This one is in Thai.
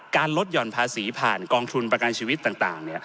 ลดหย่อนภาษีผ่านกองทุนประกันชีวิตต่าง